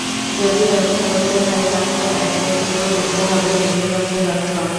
যদি ব্যবহার করতেই হয়, তাহলে অ্যাটলেটিকো গুনতে হবে বিপুল অঙ্কের অর্থ।